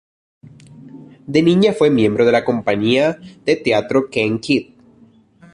De niña fue miembro de la compañía de teatro Keane Kids.